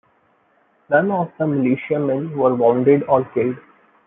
None of the militiamen were wounded or killed.